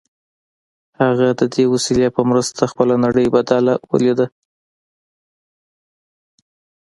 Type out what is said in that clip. هغه د دې وسیلې په مرسته خپله نړۍ بدله ولیده